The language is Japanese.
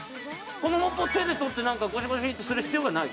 このモップを手で取ってゴシゴシってする必要がない？